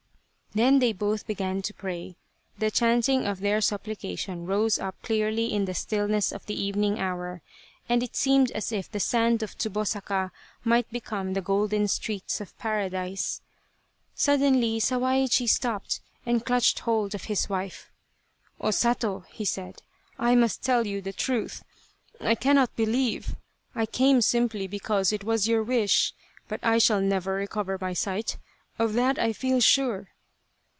Then they both began to pray. The chanting of their supplication rose up clearly in the stillness of the evening hour, and it seemed as if the sand of Tsubosaka might become the golden streets of Paradise. Suddenly Sawaichi stopped and clutched hold of his wife. " O Sato," he said, " I must tell you the truth. I cannot believe. I came simply because it was your wish. But I shall never recover my sight, of that I feel sure."